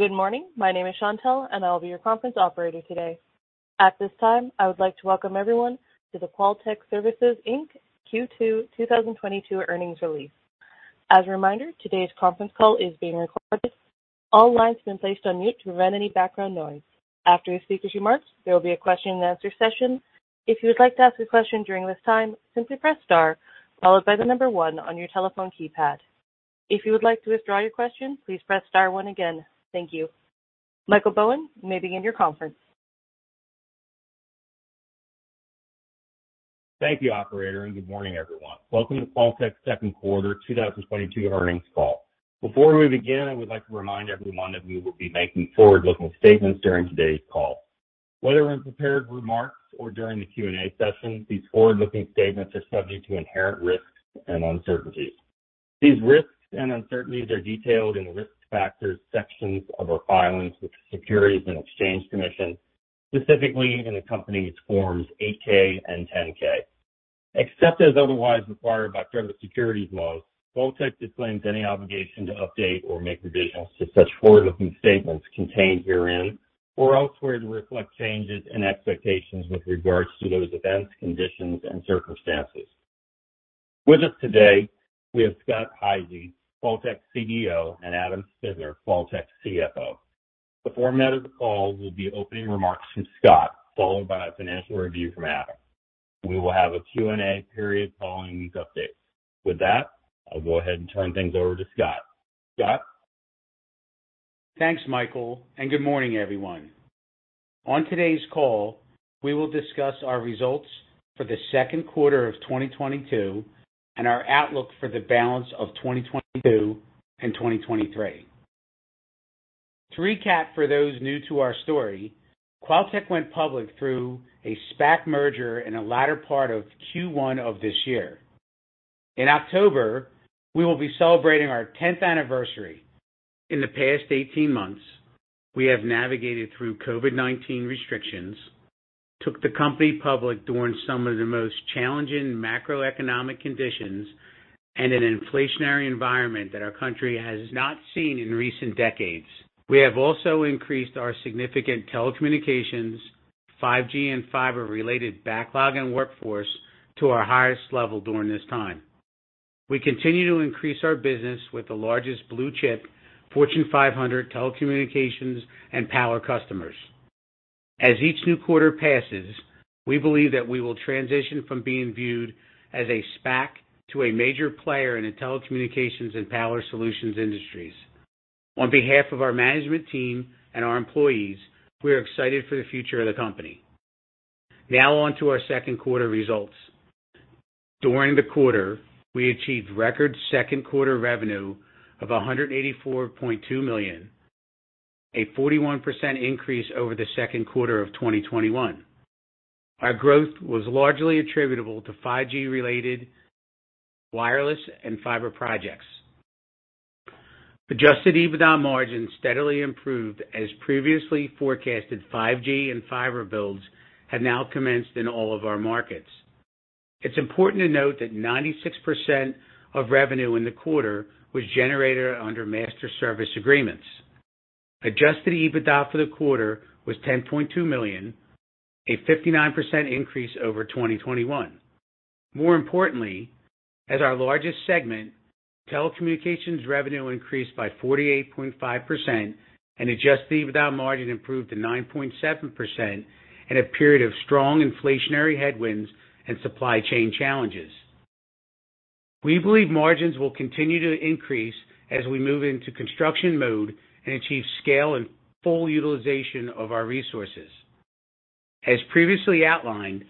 Good morning. My name is Chantal, and I will be your conference operator today. At this time, I would like to welcome everyone to the QualTek Services Inc Q2 2022 earnings release. As a reminder, today's conference call is being recorded. All lines have been placed on mute to prevent any background noise. After the speaker's remarks, there will be a question-and-answer session. If you would like to ask a question during this time, simply press star followed by the number one on your telephone keypad. If you would like to withdraw your question, please press star one again. Thank you. Michael Bowen, you may begin your conference. Thank you, operator, and good morning, everyone. Welcome to QualTek's second quarter 2022 earnings call. Before we begin, I would like to remind everyone that we will be making forward-looking statements during today's call. Whether in prepared remarks or during the Q&A session, these forward-looking statements are subject to inherent risks and uncertainties. These risks and uncertainties are detailed in the Risk Factors sections of our filings with the Securities and Exchange Commission, specifically in the company's Forms 8-K and 10-K. Except as otherwise required by federal securities laws, QualTek disclaims any obligation to update or make revisions to such forward-looking statements contained herein or elsewhere to reflect changes in expectations with regards to those events, conditions, and circumstances. With us today, we have Scott Hisey, QualTek's CEO, and Adam Spittler, QualTek's CFO. The format of the call will be opening remarks from Scott, followed by a financial review from Adam. We will have a Q&A period following these updates. With that, I'll go ahead and turn things over to Scott. Scott? Thanks, Michael, and good morning, everyone. On today's call, we will discuss our results for the second quarter of 2022 and our outlook for the balance of 2022 and 2023. To recap, for those new to our story, QualTek went public through a SPAC merger in the latter part of Q1 of this year. In October, we will be celebrating our 10th anniversary. In the past 18 months, we have navigated through COVID-19 restrictions, took the company public during some of the most challenging macroeconomic conditions and an inflationary environment that our country has not seen in recent decades. We have also increased our significant telecommunications, 5G and fiber-related backlog and workforce to our highest level during this time. We continue to increase our business with the largest blue-chip Fortune 500 telecommunications and power customers. As each new quarter passes, we believe that we will transition from being viewed as a SPAC to a major player in the telecommunications and power solutions industries. On behalf of our management team and our employees, we are excited for the future of the company. Now on to our second quarter results. During the quarter, we achieved record second quarter revenue of $184.2 million, a 41% increase over the second quarter of 2021. Our growth was largely attributable to 5G related wireless and fiber projects. Adjusted EBITDA margin steadily improved as previously forecasted 5G and fiber builds have now commenced in all of our markets. It's important to note that 96% of revenue in the quarter was generated under master service agreements. Adjusted EBITDA for the quarter was $10.2 million, a 59% increase over 2021. More importantly, as our largest segment, telecommunications revenue increased by 48.5%, and Adjusted EBITDA margin improved to 9.7% in a period of strong inflationary headwinds and supply chain challenges. We believe margins will continue to increase as we move into construction mode and achieve scale and full utilization of our resources. As previously outlined,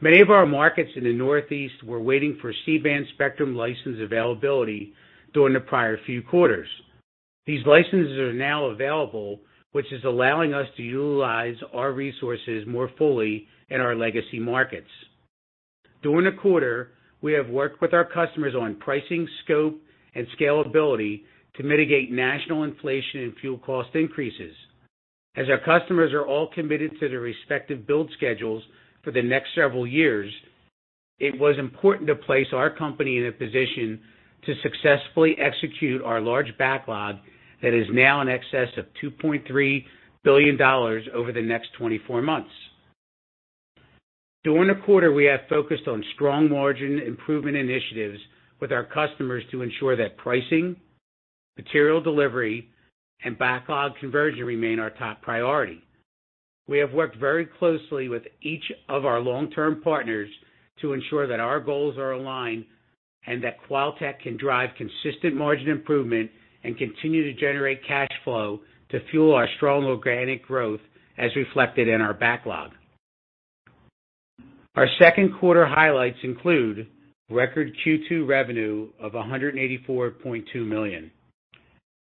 many of our markets in the Northeast were waiting for C-band spectrum license availability during the prior few quarters. These licenses are now available, which is allowing us to utilize our resources more fully in our legacy markets. During the quarter, we have worked with our customers on pricing, scope, and scalability to mitigate national inflation and fuel cost increases. As our customers are all committed to their respective build schedules for the next several years, it was important to place our company in a position to successfully execute our large backlog that is now in excess of $2.3 billion over the next 24 months. During the quarter, we have focused on strong margin improvement initiatives with our customers to ensure that pricing, material delivery, and backlog conversion remain our top priority. We have worked very closely with each of our long-term partners to ensure that our goals are aligned and that QualTek can drive consistent margin improvement and continue to generate cash flow to fuel our strong organic growth as reflected in our backlog. Our second quarter highlights include record Q2 revenue of $184.2 million,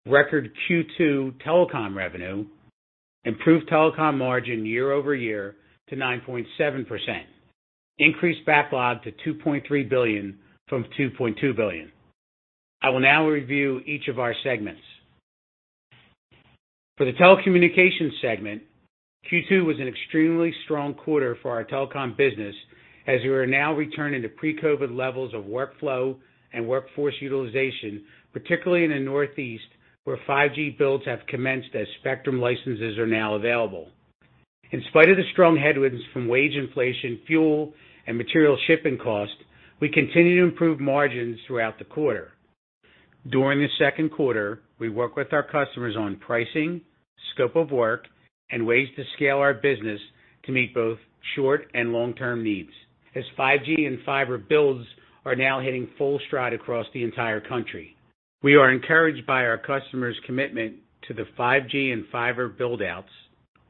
record Q2 telecom revenue, improved telecom margin year-over-year to 9.7%, increased backlog to $2.3 billion from $2.2 billion. I will now review each of our segments. For the telecommunications segment, Q2 was an extremely strong quarter for our telecom business as we are now returning to pre-COVID-19 levels of workflow and workforce utilization, particularly in the Northeast, where 5G builds have commenced as spectrum licenses are now available. In spite of the strong headwinds from wage inflation, fuel, and material shipping costs, we continue to improve margins throughout the quarter. During the second quarter, we worked with our customers on pricing, scope of work, and ways to scale our business to meet both short- and long-term needs. As 5G and fiber builds are now hitting full stride across the entire country, we are encouraged by our customers' commitment to the 5G and fiber build-outs,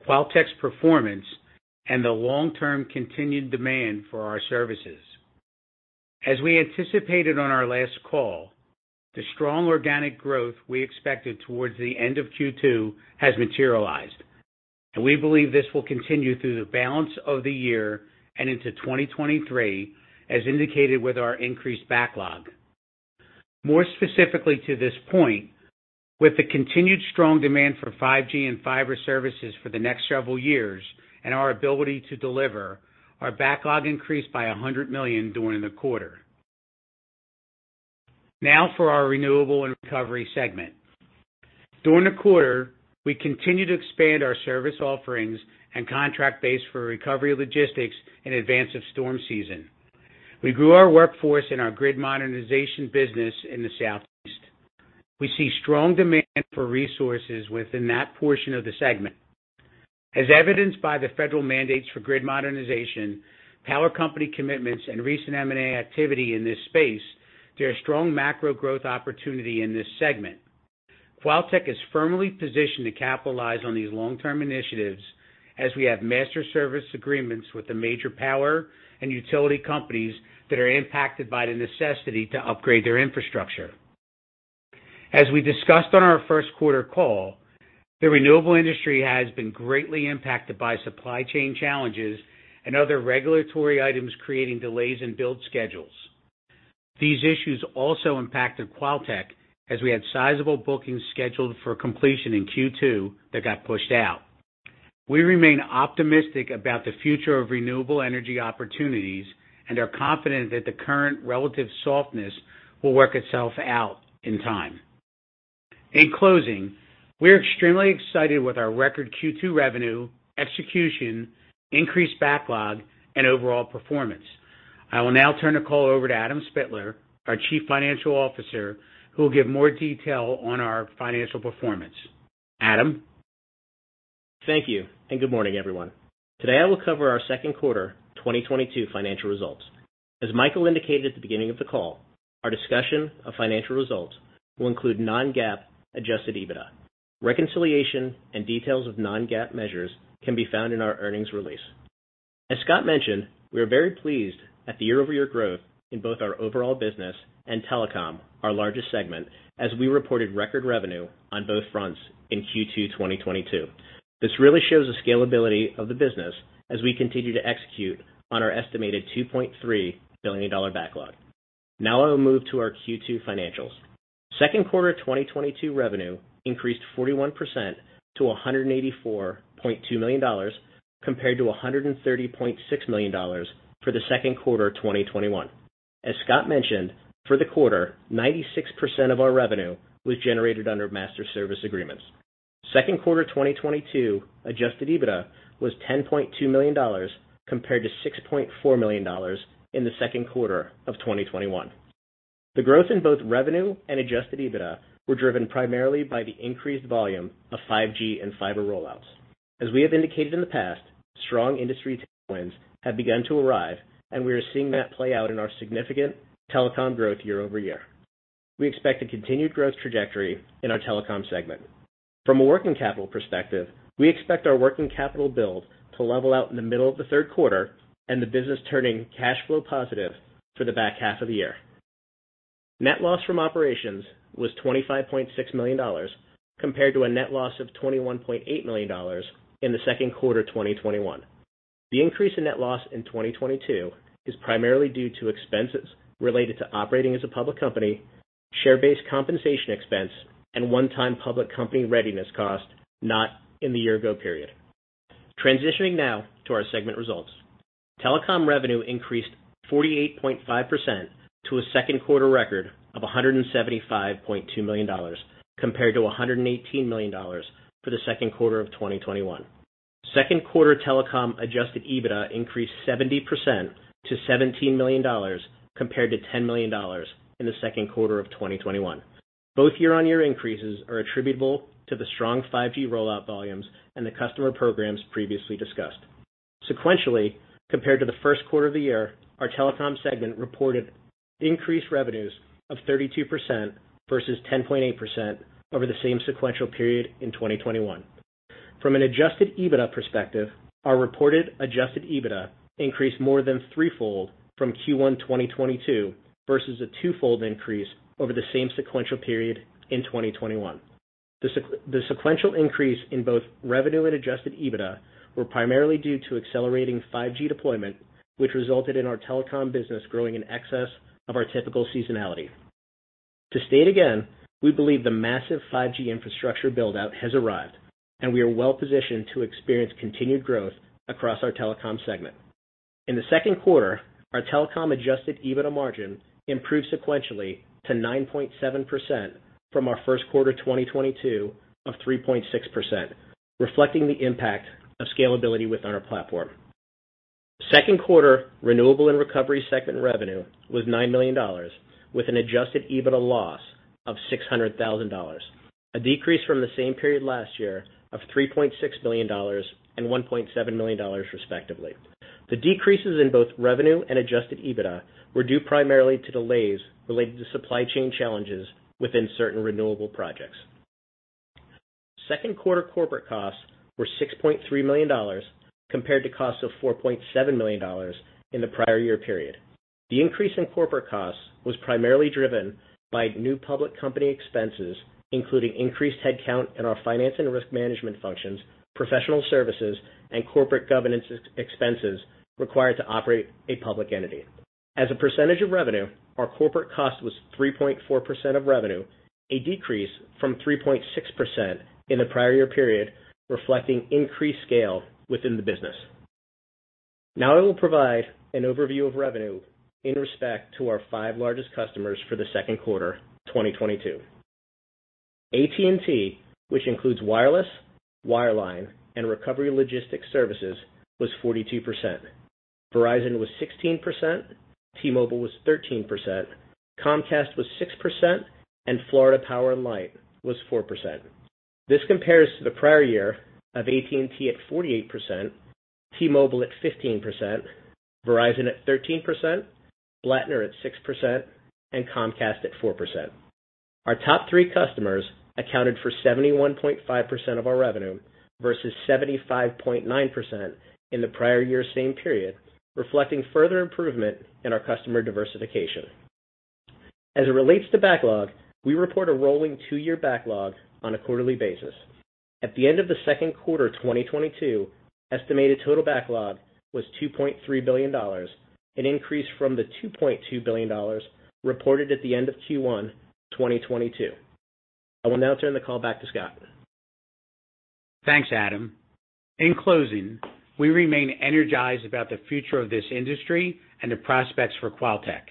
QualTek's performance, and the long-term continued demand for our services. As we anticipated on our last call, the strong organic growth we expected towards the end of Q2 has materialized, and we believe this will continue through the balance of the year and into 2023, as indicated with our increased backlog. More specifically to this point, with the continued strong demand for 5G and fiber services for the next several years and our ability to deliver, our backlog increased by $100 million during the quarter. Now for our renewable and recovery segment. During the quarter, we continued to expand our service offerings and contract base for recovery logistics in advance of storm season. We grew our workforce in our grid modernization business in the Southeast. We see strong demand for resources within that portion of the segment. As evidenced by the federal mandates for grid modernization, power company commitments, and recent M&A activity in this space, there are strong macro growth opportunity in this segment. QualTek is firmly positioned to capitalize on these long-term initiatives as we have master service agreements with the major power and utility companies that are impacted by the necessity to upgrade their infrastructure. As we discussed on our first quarter call, the renewable industry has been greatly impacted by supply chain challenges and other regulatory items creating delays in build schedules. These issues also impacted QualTek as we had sizable bookings scheduled for completion in Q2 that got pushed out. We remain optimistic about the future of renewable energy opportunities and are confident that the current relative softness will work itself out in time. In closing, we are extremely excited with our record Q2 revenue, execution, increased backlog, and overall performance. I will now turn the call over to Adam Spittler, our Chief Financial Officer, who will give more detail on our financial performance. Adam? Thank you, and good morning, everyone. Today, I will cover our second quarter 2022 financial results. As Michael indicated at the beginning of the call, our discussion of financial results will include non-GAAP Adjusted EBITDA. Reconciliation and details of non-GAAP measures can be found in our earnings release. As Scott mentioned, we are very pleased at the year-over-year growth in both our overall business and telecom, our largest segment, as we reported record revenue on both fronts in Q2 2022. This really shows the scalability of the business as we continue to execute on our estimated $2.3 billion backlog. Now I will move to our Q2 financials. Second quarter 2022 revenue increased 41% to $184.2 million compared to $130.6 million for the second quarter 2021. As Scott mentioned, for the quarter, 96% of our revenue was generated under master service agreements. Second quarter 2022 Adjusted EBITDA was $10.2 million compared to $6.4 million in the second quarter of 2021. The growth in both revenue and Adjusted EBITDA were driven primarily by the increased volume of 5G and fiber rollouts. As we have indicated in the past, strong industry tailwinds have begun to arrive, and we are seeing that play out in our significant telecom growth year-over-year. We expect a continued growth trajectory in our telecom segment. From a working capital perspective, we expect our working capital build to level out in the middle of the third quarter and the business turning cash flow positive for the back half of the year. Net loss from operations was $25.6 million compared to a net loss of $21.8 million in the second quarter 2021. The increase in net loss in 2022 is primarily due to expenses related to operating as a public company, share-based compensation expense, and one-time public company readiness cost not in the year-ago period. Transitioning now to our segment results. Telecom revenue increased 48.5% to a second quarter record of $175.2 million compared to $118 million for the second quarter of 2021. Second quarter telecom Adjusted EBITDA increased 70% to $17 million compared to $10 million in the second quarter of 2021. Both year-on-year increases are attributable to the strong 5G rollout volumes and the customer programs previously discussed. Sequentially, compared to the first quarter of the year, our telecom segment reported increased revenues of 32% versus 10.8% over the same sequential period in 2021. From an Adjusted EBITDA perspective, our reported Adjusted EBITDA increased more than threefold from Q1 2022 versus a twofold increase over the same sequential period in 2021. The sequential increase in both revenue and Adjusted EBITDA were primarily due to accelerating 5G deployment, which resulted in our telecom business growing in excess of our typical seasonality. To state again, we believe the massive 5G infrastructure build-out has arrived, and we are well-positioned to experience continued growth across our telecom segment. In the second quarter, our telecom Adjusted EBITDA margin improved sequentially to 9.7% from our first quarter, 2022 of 3.6%, reflecting the impact of scalability within our platform. Second quarter renewable and recovery segment revenue was $9 million, with an Adjusted EBITDA loss of $600,000, a decrease from the same period last year of $3.6 million and $1.7 million, respectively. The decreases in both revenue and Adjusted EBITDA were due primarily to delays related to supply chain challenges within certain renewable projects. Second quarter corporate costs were $6.3 million compared to costs of $4.7 million in the prior year period. The increase in corporate costs was primarily driven by new public company expenses, including increased headcount in our finance and risk management functions, professional services, and corporate governance expenses required to operate a public entity. As a percentage of revenue, our corporate cost was 3.4% of revenue, a decrease from 3.6% in the prior year period, reflecting increased scale within the business. Now I will provide an overview of revenue in respect to our five largest customers for the second quarter 2022. AT&T, which includes wireless, wireline, and recovery logistics services, was 42%. Verizon was 16%, T-Mobile was 13%, Comcast was 6%, and Florida Power & Light was 4%. This compares to the prior year of AT&T at 48%, T-Mobile at 15%, Verizon at 13%, Blattner at 6%, and Comcast at 4%. Our top three customers accounted for 71.5% of our revenue versus 75.9% in the prior year same period, reflecting further improvement in our customer diversification. As it relates to backlog, we report a rolling two-year backlog on a quarterly basis. At the end of the second quarter 2022, estimated total backlog was $2.3 billion, an increase from the $2.2 billion reported at the end of Q1 2022. I will now turn the call back to Scott. Thanks, Adam. In closing, we remain energized about the future of this industry and the prospects for QualTek.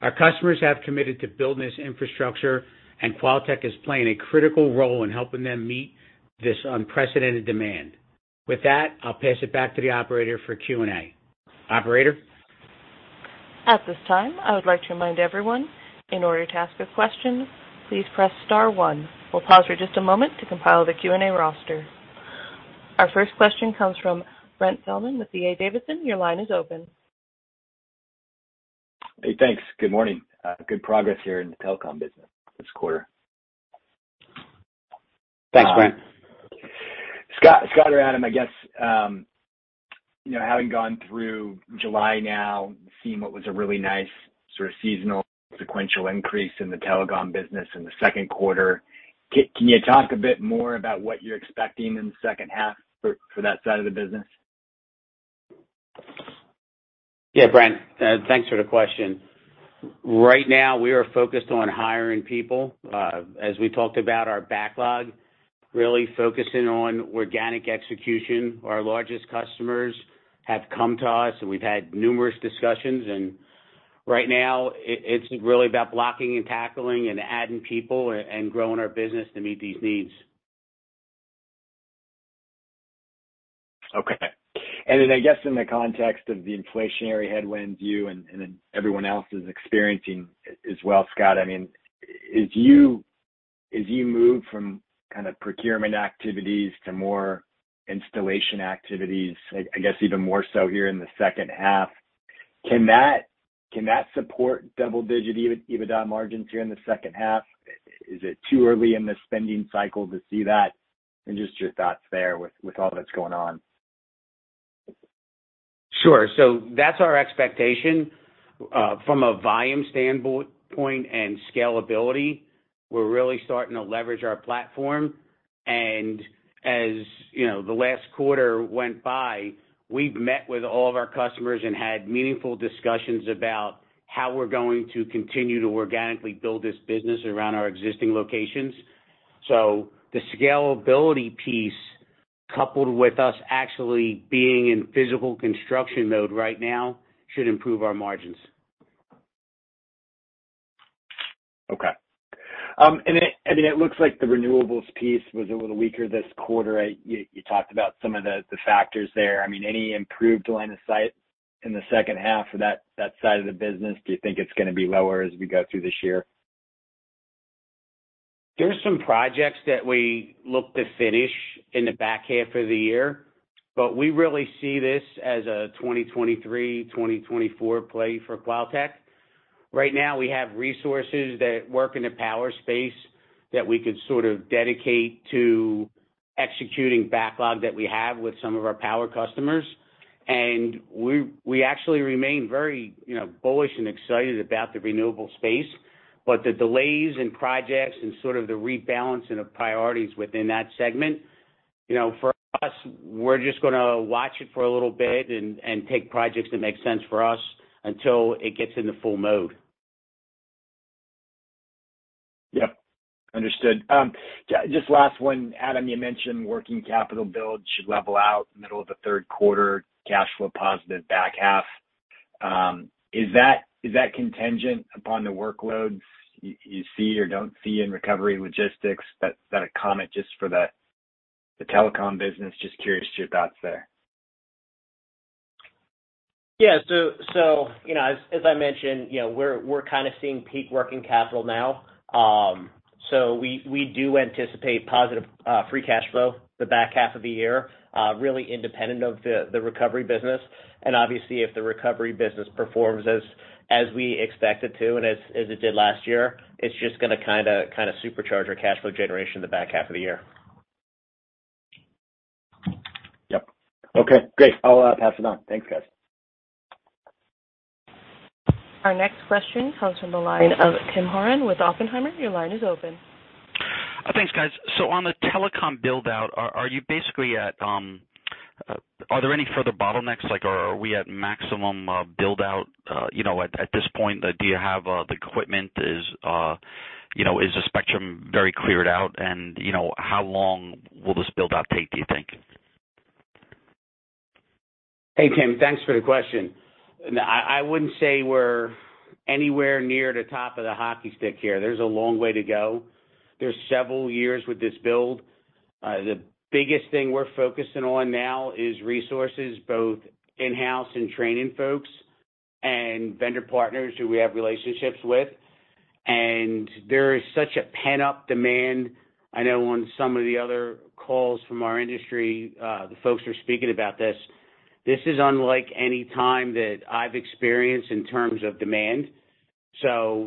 Our customers have committed to building this infrastructure, and QualTek is playing a critical role in helping them meet this unprecedented demand. With that, I'll pass it back to the operator for Q&A. Operator? At this time, I would like to remind everyone, in order to ask a question, please press star one. We'll pause for just a moment to compile the Q&A roster. Our first question comes from Brent Thielman with D.A. Davidson. Your line is open. Hey, thanks. Good morning. Good progress here in the telecom business this quarter. Thanks, Brent. Scott or Adam, I guess, you know, having gone through July now, seeing what was a really nice sort of seasonal sequential increase in the telecom business in the second quarter, can you talk a bit more about what you're expecting in the second half for that side of the business? Yeah, Brent, thanks for the question. Right now, we are focused on hiring people. As we talked about our backlog, really focusing on organic execution. Our largest customers have come to us, and we've had numerous discussions. Right now, it's really about blocking and tackling and adding people and growing our business to meet these needs. Okay. I guess in the context of the inflationary headwinds you and everyone else is experiencing as well, Scott, I mean, as you move from kinda procurement activities to more installation activities, I guess even more so here in the second half, can that support double-digit EBITDA margins here in the second half? Is it too early in the spending cycle to see that? Just your thoughts there with all that's going on. Sure. That's our expectation. From a volume standpoint and scalability, we're really starting to leverage our platform. As you know, the last quarter went by, we've met with all of our customers and had meaningful discussions about how we're going to continue to organically build this business around our existing locations. The scalability piece, coupled with us actually being in physical construction mode right now, should improve our margins. Okay. It looks like the renewables piece was a little weaker this quarter. You talked about some of the factors there. I mean, any improved line of sight in the second half for that side of the business? Do you think it's gonna be lower as we go through this year? There's some projects that we look to finish in the back half of the year, but we really see this as a 2023, 2024 play for QualTek. Right now, we have resources that work in the power space that we could sort of dedicate to executing backlog that we have with some of our power customers. We actually remain very, you know, bullish and excited about the renewable space. But the delays in projects and sort of the rebalancing of priorities within that segment. You know, for us, we're just gonna watch it for a little bit and take projects that make sense for us until it gets into full mode. Yep, understood. Just last one. Adam, you mentioned working capital build should level out middle of the third quarter, cash flow positive back half. Is that contingent upon the workloads you see or don't see in recovery logistics? That's kind of comment just for the telecom business. Just curious to your thoughts there. Yeah, you know, as I mentioned, you know, we're kind of seeing peak working capital now. We do anticipate positive free cash flow the back half of the year, really independent of the recovery business. Obviously, if the recovery business performs as we expect it to and as it did last year, it's just gonna kinda supercharge our cash flow generation in the back half of the year. Yep. Okay, great. I'll pass it on. Thanks, guys. Our next question comes from the line of Tim Horan with Oppenheimer. Your line is open. Thanks, guys. On the telecom build-out, are you basically at, are there any further bottlenecks, like are we at maximum build-out, you know, at this point? Do you have the equipment? You know, is the spectrum very cleared out? You know, how long will this build-out take, do you think? Hey, Tim. Thanks for the question. I wouldn't say we're anywhere near the top of the hockey stick here. There's a long way to go. There's several years with this build. The biggest thing we're focusing on now is resources, both in-house and training folks and vendor partners who we have relationships with. There is such a pent-up demand. I know on some of the other calls from our industry, the folks are speaking about this. This is unlike any time that I've experienced in terms of demand.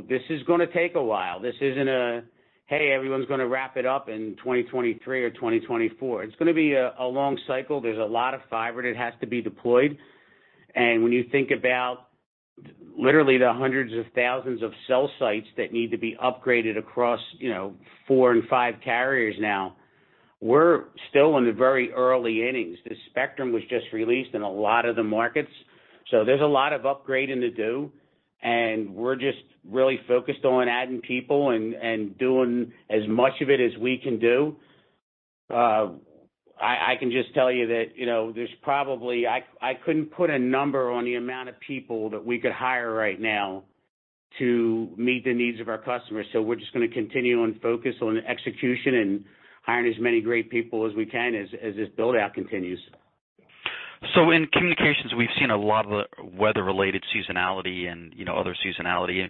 This is gonna take a while. This isn't a, "Hey, everyone's gonna wrap it up in 2023 or 2024." It's gonna be a long cycle. There's a lot of fiber that has to be deployed. When you think about literally the hundreds of thousands of cell sites that need to be upgraded across, you know, four and five carriers now, we're still in the very early innings. The spectrum was just released in a lot of the markets, so there's a lot of upgrading to do, and we're just really focused on adding people and doing as much of it as we can do. I can just tell you that, you know, there's probably, I couldn't put a number on the amount of people that we could hire right now to meet the needs of our customers. We're just gonna continue and focus on execution and hiring as many great people as we can as this build-out continues. In communications, we've seen a lot of the weather-related seasonality and, you know, other seasonality.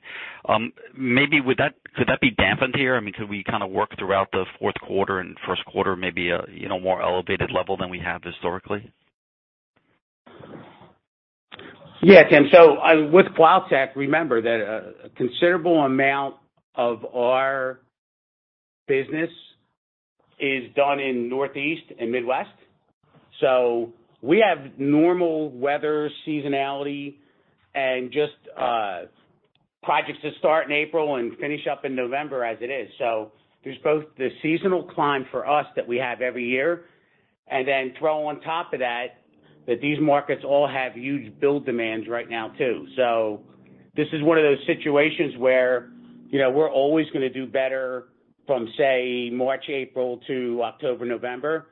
Maybe could that be dampened here? I mean, could we kind of work throughout the fourth quarter and first quarter, maybe, you know, more elevated level than we have historically? Yeah, Tim. With QualTek, remember that a considerable amount of our business is done in Northeast and Midwest. We have normal weather seasonality and just projects to start in April and finish up in November as it is. There's both the seasonal climb for us that we have every year, and then throw on top of that these markets all have huge build demands right now too. This is one of those situations where, you know, we're always gonna do better from, say, March, April to October, November,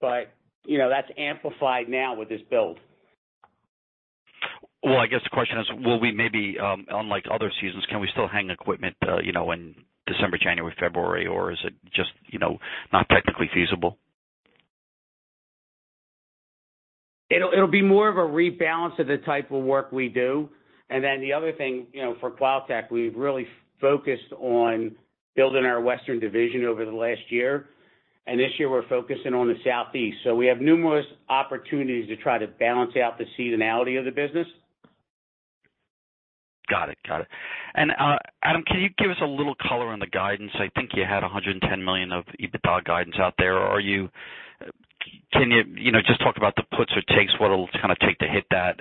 but, you know, that's amplified now with this build. Well, I guess the question is, will we maybe, unlike other seasons, can we still hang equipment, you know, in December, January, February, or is it just, you know, not technically feasible? It'll be more of a rebalance of the type of work we do. The other thing, you know, for QualTek, we've really focused on building our Western division over the last year, and this year we're focusing on the Southeast. We have numerous opportunities to try to balance out the seasonality of the business. Got it. Adam, can you give us a little color on the guidance? I think you had $110 million of EBITDA guidance out there. Can you know, just talk about the puts or takes, what it'll kinda take to hit that?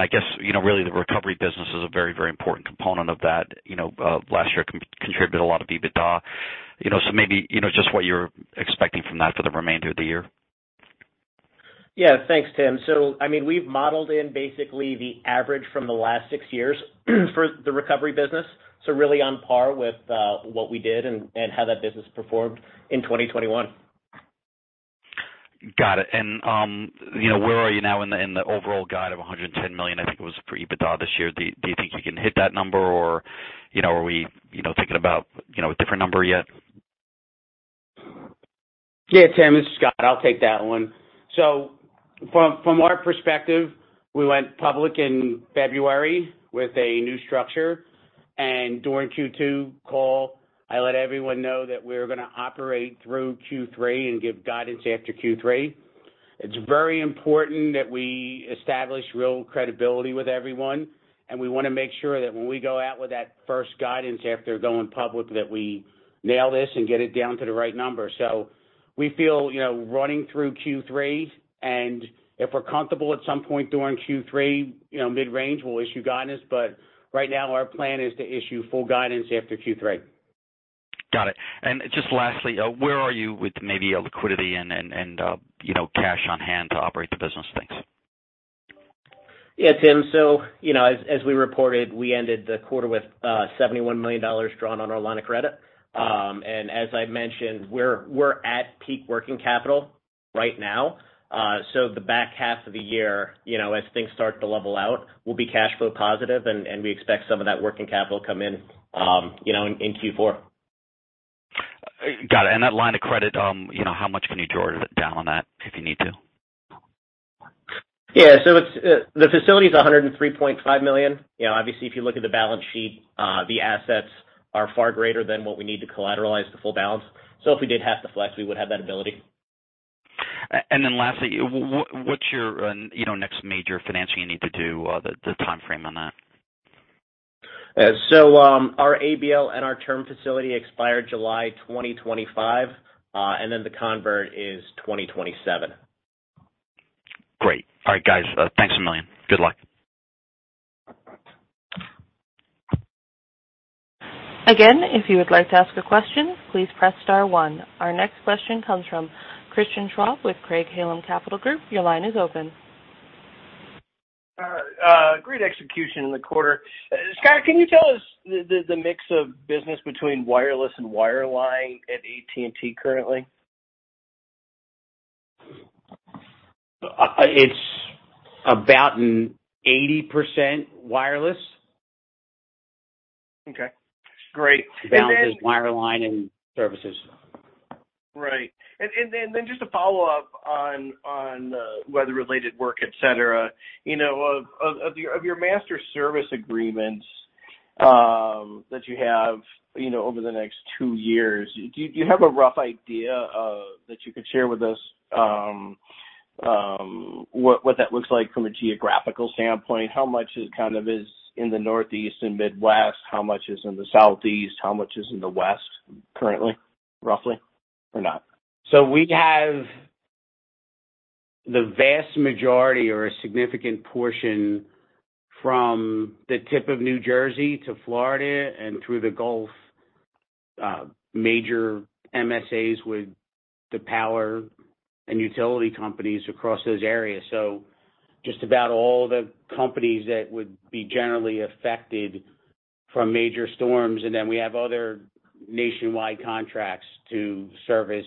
I guess, you know, really the recovery business is a very, very important component of that. You know, last year contributed a lot of EBITDA. You know, so maybe, you know, just what you're expecting from that for the remainder of the year. Yeah. Thanks, Tim. I mean, we've modeled in basically the average from the last six years for the recovery business. Really on par with what we did and how that business performed in 2021. Got it. You know, where are you now in the overall guide of $110 million, I think it was for EBITDA this year. Do you think you can hit that number or, you know, are we, you know, thinking about, you know, a different number yet? Yeah, Tim, this is Scott. I'll take that one. From our perspective, we went public in February with a new structure, and during Q2 call, I let everyone know that we're gonna operate through Q3 and give guidance after Q3. It's very important that we establish real credibility with everyone, and we wanna make sure that when we go out with that first guidance after going public, that we nail this and get it down to the right number. We feel, you know, running through Q3, and if we're comfortable at some point during Q3, you know, mid-range, we'll issue guidance. Right now, our plan is to issue full guidance after Q3. Got it. Just lastly, where are you with maybe liquidity and you know, cash on hand to operate the business? Thanks. Tim. You know, as we reported, we ended the quarter with $71 million drawn on our line of credit. As I mentioned, we're at peak working capital right now. The back half of the year, you know, as things start to level out, we'll be cash flow positive and we expect some of that working capital come in, you know, in Q4. Got it. That line of credit, you know, how much can you draw down on that if you need to? It's the facility is $103.5 million. You know, obviously, if you look at the balance sheet, the assets are far greater than what we need to collateralize the full balance. If we did have to flex, we would have that ability. What's your, you know, next major financing you need to do, the timeframe on that? Our ABL and our term facility expire July 2025, and then the convertible is 2027. Great. All right, guys. Thanks a million. Good luck. Again, if you would like to ask a question, please press star one. Our next question comes from Christian Schwab with Craig-Hallum Capital Group. Your line is open. Great execution in the quarter. Scott, can you tell us the mix of business between wireless and wireline at AT&T currently? It's about 80% wireless. Okay, great. Balance is wireline and services. Right. Then just a follow-up on weather-related work, et cetera, you know, of your master service agreements that you have, you know, over the next two years, do you have a rough idea that you could share with us, what that looks like from a geographical standpoint? How much is kind of in the Northeast and Midwest? How much is in the Southeast? How much is in the West currently, roughly, or not? We have the vast majority or a significant portion from the tip of New Jersey to Florida and through the Gulf, major MSAs with the power and utility companies across those areas. Just about all the companies that would be generally affected from major storms. We have other nationwide contracts to service,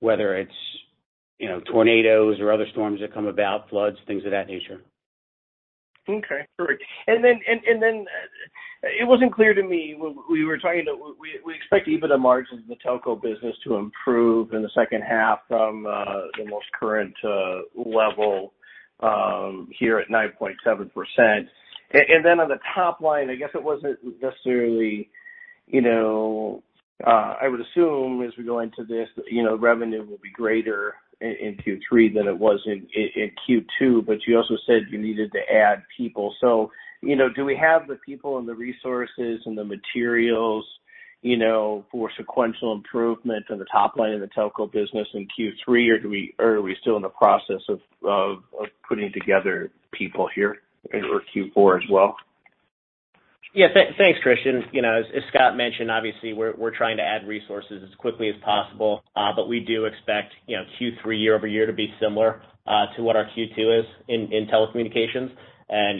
whether it's, you know, tornadoes or other storms that come about, floods, things of that nature. Okay, great. Then it wasn't clear to me when we were talking, we expect EBITDA margins in the telco business to improve in the second half from the most current level here at 9.7%. Then on the top line, I guess it wasn't necessarily, you know, I would assume as we go into this, you know, revenue will be greater in Q3 than it was in Q2, but you also said you needed to add people. You know, do we have the people and the resources and the materials, you know, for sequential improvement on the top line in the telco business in Q3, or do we or are we still in the process of putting together people here or Q4 as well? Yeah. Thanks, Christian. You know, as Scott mentioned, obviously we're trying to add resources as quickly as possible. We do expect, you know, Q3 year-over-year to be similar to what our Q2 is in telecommunications.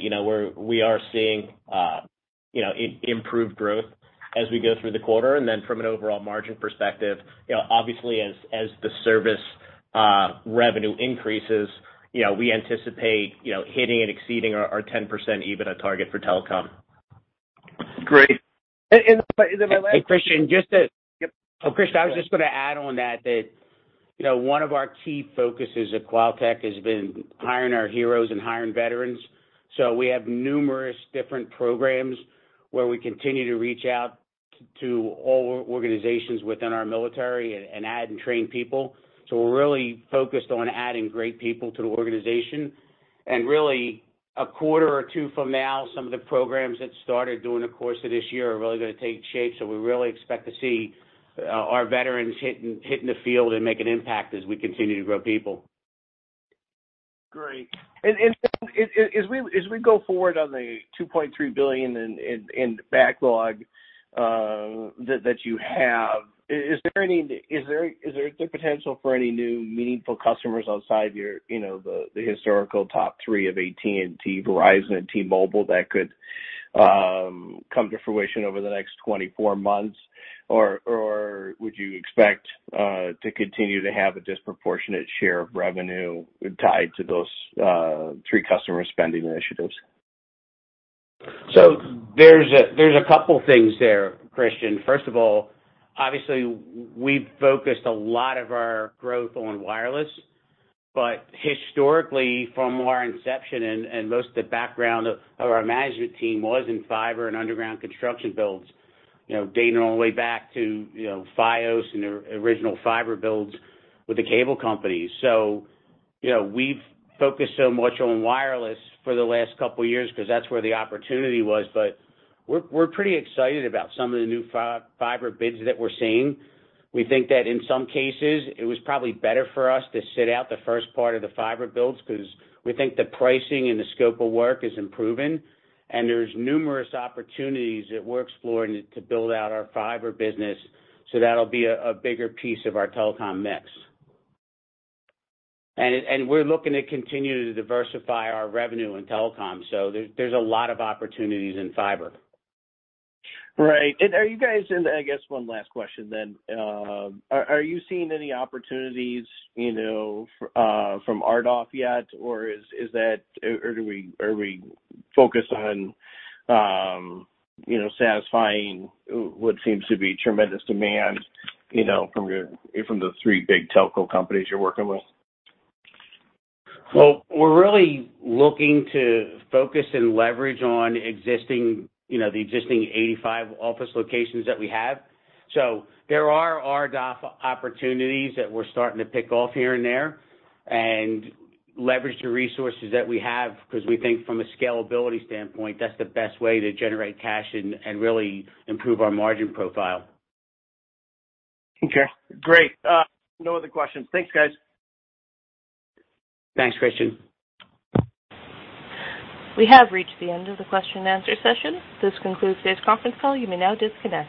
You know, we are seeing, you know, improved growth as we go through the quarter. Then from an overall margin perspective, you know, obviously as the service revenue increases, you know, we anticipate, you know, hitting and exceeding our 10% EBITDA target for telecom. Great. My last- Hey, Christian, I was just gonna add on that, you know, one of our key focuses at QualTek has been hiring our heroes and hiring veterans. We have numerous different programs where we continue to reach out to all organizations within our military and add and train people. We're really focused on adding great people to the organization. Really a quarter or two from now, some of the programs that started during the course of this year are really gonna take shape. We really expect to see our veterans hitting the field and make an impact as we continue to grow people. Great. As we go forward on the $2.3 billion in backlog that you have, is there the potential for any new meaningful customers outside your, you know, the historical top three of AT&T, Verizon, and T-Mobile that could come to fruition over the next 24 months? Or would you expect to continue to have a disproportionate share of revenue tied to those three customer spending initiatives? There's a couple things there, Christian. First of all, obviously we've focused a lot of our growth on wireless. Historically, from our inception and most of the background of our management team was in fiber and underground construction builds, you know, dating all the way back to, you know, Fios and the original fiber builds with the cable companies. You know, we've focused so much on wireless for the last couple years because that's where the opportunity was, but we're pretty excited about some of the new fiber bids that we're seeing. We think that in some cases it was probably better for us to sit out the first part of the fiber builds because we think the pricing and the scope of work is improving, and there's numerous opportunities that we're exploring to build out our fiber business, so that'll be a bigger piece of our telecom mix. We're looking to continue to diversify our revenue in telecom. There's a lot of opportunities in fiber. Right. I guess one last question then. Are you seeing any opportunities, you know, from RDOF yet, or is that or do we or are we focused on, you know, satisfying what seems to be tremendous demand, you know, from the three big telco companies you're working with? Well, we're really looking to focus and leverage on existing, you know, the existing 85 office locations that we have. There are RDOF opportunities that we're starting to pick off here and there and leverage the resources that we have because we think from a scalability standpoint, that's the best way to generate cash and really improve our margin profile. Okay, great. No other questions. Thanks, guys. Thanks, Christian. We have reached the end of the question-and-answer session. This concludes today's conference call. You may now disconnect.